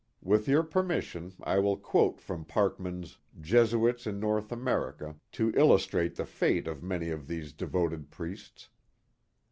With your permission I will quote from Parkman*s ycsutts in North America, to illustrate the fate of many of these de voted priests.